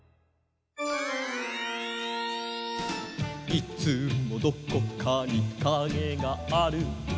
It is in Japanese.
「いつもどこかにカゲがある」